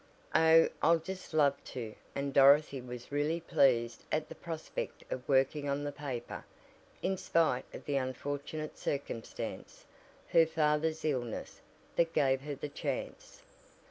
"Oh, I'll just love to!" and Dorothy was really pleased at the prospect of working on the paper, in spite of the unfortunate circumstance her father's illness that gave her the chance.